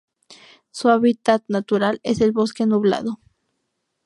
Su hábitat natural es el bosque nublado.